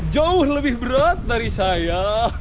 jauh lebih berat dari saya